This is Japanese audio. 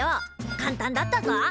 簡単だったぞ。